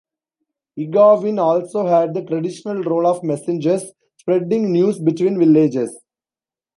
Iggawin also had the traditional role of messengers, spreading news between villages.